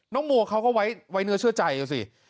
น้องมัวเขาก็ไว้เนื้อเชื่อใจด้วยสิ